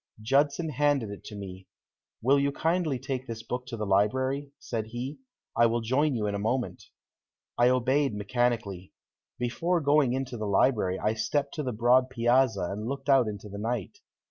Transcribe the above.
Judson handed it to me. "Will you kindly take this book to the library," said he; "I will join you in a moment." I obeyed mechanically. Before going into the library I stepped to the broad piazza and looked out into the night.